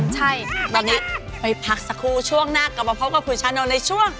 ใช่ตอนนี้ไปพักสักครู่ช่วงหน้ากลับมาพบกับคุณชานนท์ในช่วง